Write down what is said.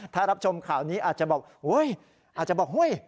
ถ้ารับชมข่าวนี้อาจจะบอกอาจจะบอกเฮ้ย